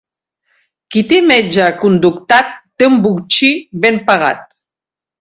Qui té metge aconductat té un botxí ben pagat.